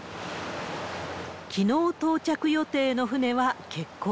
きのう到着予定の船は欠航。